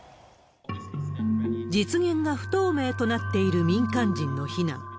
実現が不透明となっている民間人の避難。